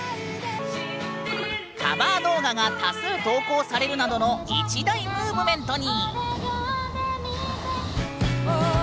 カバー動画が多数投稿されるなどの一大ムーブメントに！